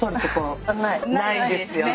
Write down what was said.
ないですね。